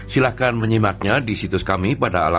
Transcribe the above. silahkan menyimaknya di situs kami